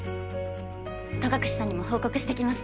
戸隠さんにも報告してきますね。